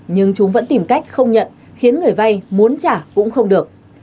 nhưng chúng vẫn tìm cách không nhận khiến người vay muốn trả cũng không được